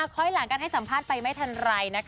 ค่อยหลังการให้สัมภาษณ์ไปไม่ทันไรนะคะ